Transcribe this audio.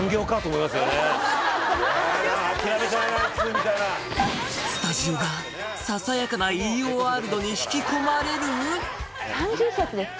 みたいなスタジオがささやかな飯尾ワールドに引き込まれる！？